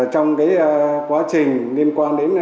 trong quá trình liên quan đến